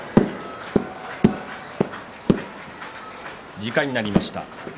時間になりました。